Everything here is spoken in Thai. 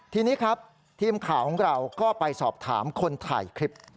ทีนี้ครับทีมข่าวของเราก็ไปสอบถามคนถ่ายคลิป